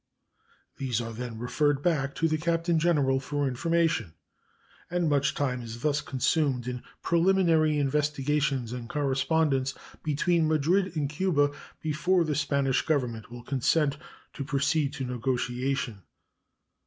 These are then referred back to the Captain General for information, and much time is thus consumed in preliminary investigations and correspondence between Madrid and Cuba before the Spanish Government will consent to proceed to negotiation.